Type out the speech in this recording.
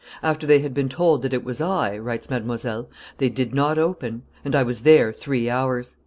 After they had been told that it was I," writes Mdlle., "they did not open; and I was there three hours.